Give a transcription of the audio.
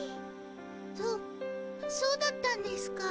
そそうだったんですかあ。